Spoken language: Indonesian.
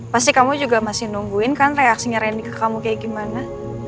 pasti kamu juga masih nungguin kan reaksinya randy ke kamu kayak gimana